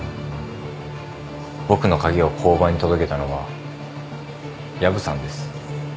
僕の鍵を交番に届けたのは薮さんです。